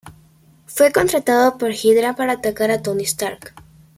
Fue contratado por Hydra para atacar a Tony Stark.